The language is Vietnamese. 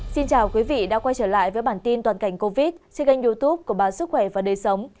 xin chào quý vị đã quay trở lại với bản tin toàn cảnh covid trên kênh youtube của báo sức khỏe và đời sống